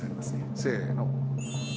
せの。